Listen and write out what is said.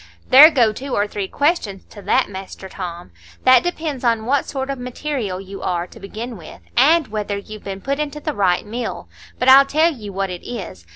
"There go two or three questions to that, Master Tom. That depends on what sort of material you are, to begin with, and whether you've been put into the right mill. But I'll tell you what it is.